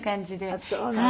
あっそうなの。